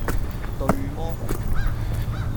「對麼？」